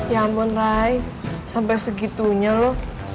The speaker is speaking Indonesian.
ya ampun ray sampai segitunya lo